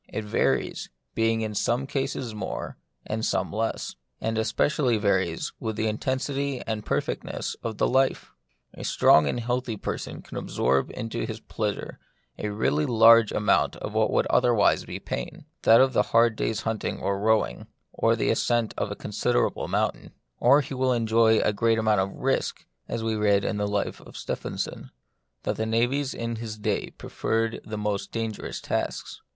It varies, being in some cases more, and in some less ; and especially it varies with the intensity and perfectness of the life. A strong and healthy person can absorb into his pleasure a really large * Mrs Trench's Memoirs. The Mystery of Pain, 49 amount of what would otherwise be pain, that of a hard day's hunting or rowing, or the ascent of a considerable mountain ; or he will enjoy a great amount of risky as we read in the life of Stephenson, that the navvies in his day preferred the most dangerous tasks.